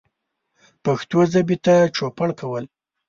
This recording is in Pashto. پښتو ژبې ته چوپړ کول